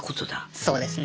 そうですね。